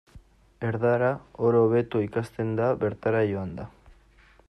Erdara oro hobeto ikasten da bertara joanda.